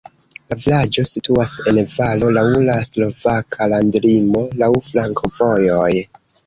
La vilaĝo situas en valo, laŭ la slovaka landlimo, laŭ flankovojoj.